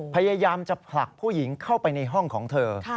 พยายามจะผลักผู้หญิงเข้าไปในห้องของเธอ